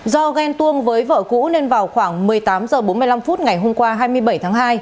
do ghen tuông với vợ cũ nên vào khoảng một mươi tám h bốn mươi năm ngày hôm qua hai mươi bảy tháng hai